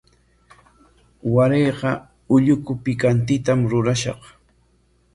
Warayqa ulluku pikantitam rurashaq.